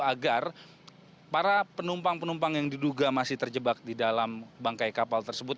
agar para penumpang penumpang yang diduga masih terjebak di dalam bangkai kapal tersebut